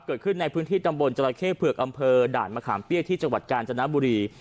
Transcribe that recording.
เกิดขึ้นในพื้นที่ตำบลจราเข้เผือกอำเภอด่านมะขามเปี้ยที่จังหวัดกาญจนบุรี